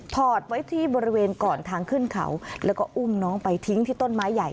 อดไว้ที่บริเวณก่อนทางขึ้นเขาแล้วก็อุ้มน้องไปทิ้งที่ต้นไม้ใหญ่